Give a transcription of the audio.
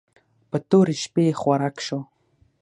په تورې شپې خوراک شو.